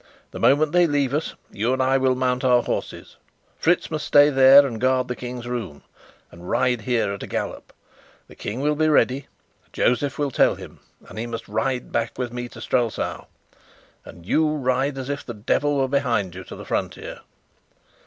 The moment they leave us you and I will mount our horses Fritz must stay there and guard the King's room and ride here at a gallop. The King will be ready Josef will tell him and he must ride back with me to Strelsau, and you ride as if the devil were behind you to the frontier."